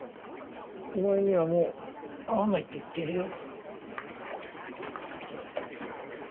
お前にはもう会わないって言ってるよ。